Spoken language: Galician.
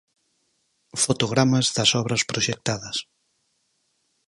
Fotogramas das obras proxectadas.